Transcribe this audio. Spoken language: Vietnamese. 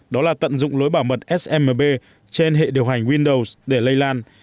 đó là tận dụng lối bảo mật smb trên hệ điều hành windows để lây lan